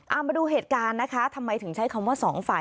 เอามาดูเหตุการณ์นะคะทำไมถึงใช้คำว่าสองฝ่าย